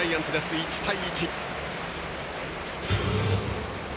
１対１。